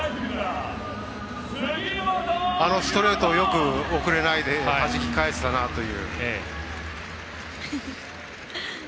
あのストレートをよく遅れないで弾き返せたなという。